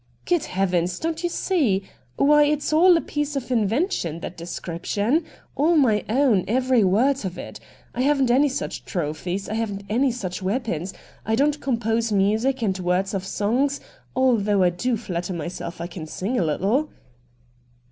' Good heavens! don't you see? Why, it's all a piece of invention, that description ! All my own, every word of it. I haven't any such trophies, I haven't any sucli weapons, I don't compose music and words of songs, although I do flatter myself I can sing a little.'